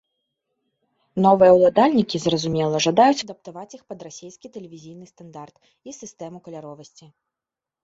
Новыя ўладальнікі, зразумела, жадаюць адаптаваць іх пад расейскі тэлевізійны стандарт і сістэму каляровасці.